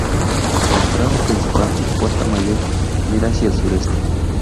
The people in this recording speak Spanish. La entrada principal, la "Puerta Mayor", mira hacia el sureste.